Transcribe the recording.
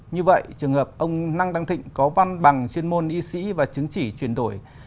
như vậy trường hợp ông năng đăng thịnh có văn bằng chuyên môn y sĩ và chứng chỉ chuyển đổi